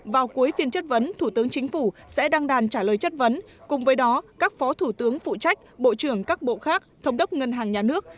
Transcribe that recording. vào cuối phiên chất vấn thủ tướng chính phủ sẽ đăng đàn trả lời chất vấn cùng với đó các phó thủ tướng phụ trách bộ trưởng các bộ khác thống đốc ngân hàng nhà nước